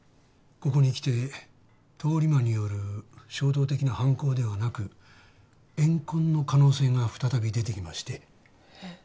ここにきて通り魔による衝動的な犯行ではなく怨恨の可能性が再び出てきましてえっ？